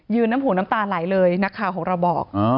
น้ำหูน้ำตาไหลเลยนักข่าวของเราบอก